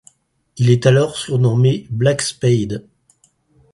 Il est alors surnommé Black Spade.